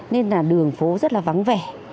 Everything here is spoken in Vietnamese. nên là đường phố rất là vắng vẻ